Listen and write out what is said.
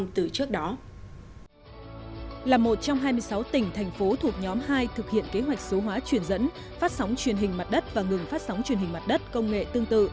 là một trong hai mươi sáu tỉnh thành phố thuộc nhóm hai thực hiện kế hoạch số hóa truyền dẫn phát sóng truyền hình mặt đất và ngừng phát sóng truyền hình mặt đất công nghệ tương tự